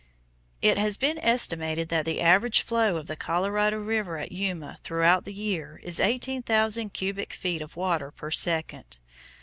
It has been estimated that the average flow of the Colorado River at Yuma throughout the year is eighteen thousand cubic feet of water per second.